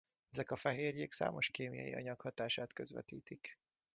Ezek a fehérjék számos kémiai anyag hatását közvetítik.